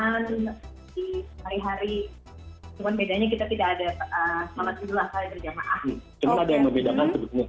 tapi hari hari cuma bedanya kita tidak ada shalatin berjamaah